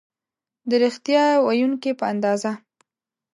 د ریښتیا ویونکي په اندازه